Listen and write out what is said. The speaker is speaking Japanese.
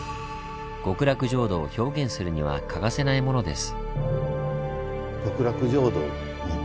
極楽浄土を表現するには欠かせないものです。